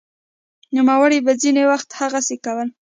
نوموړي به ځیني وخت هغسې کول